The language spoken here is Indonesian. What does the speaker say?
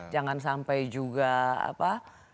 jangan sampai juga apa